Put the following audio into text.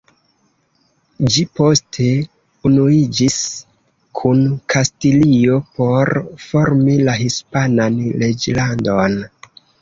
Ĝi poste unuiĝis kun Kastilio por formi la hispanan reĝlandon.